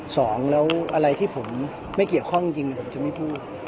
สองแล้วอะไรที่ผมไม่เกี่ยวข้องจริงผมจะไม่พูด